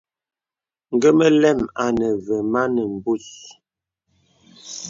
Nge mə lə̀m āne və mān mbūs.